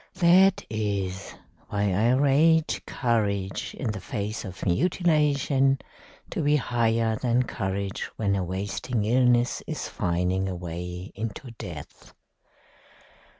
That is why I rate courage in the face of mutilation to be higher than courage when a wasting illness is fining away into death.